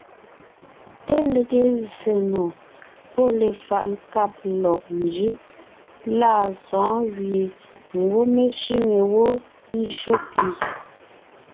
Te lege zsè nò pɔ́ lefaʼ nkáb lɔg njʉʼ lâ sɔ̌ɔn gẅie ngwɔ́ mé sẅîŋe wó ńjÿó pì.